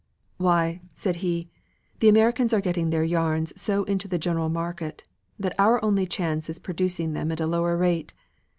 "Why," said he, "the Americans are getting their yarns so into the general market, that our only chance is producing them at a lower rate.